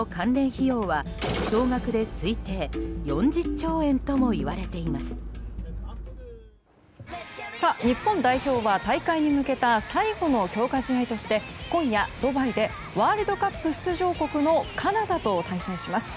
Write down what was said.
日本代表は大会に向けた最後の強化試合として今夜、ドバイでワールドカップ出場国のカナダと対戦します。